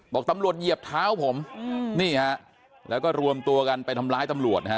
บอกตำรวจเหยียบเท้าผมนี่ฮะแล้วก็รวมตัวกันไปทำร้ายตำรวจนะฮะ